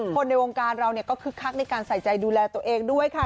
ในวงการเราก็คึกคักในการใส่ใจดูแลตัวเองด้วยค่ะ